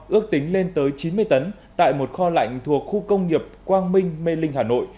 ước tính lên tới chín mươi tấn tại một kho lạnh thuộc khu công nghiệp quang minh mê linh hà nội